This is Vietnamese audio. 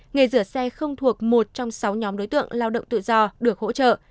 nghề rửa xe không thuộc một trong sáu nhóm đối tượng lao động tự do được hỗ trợ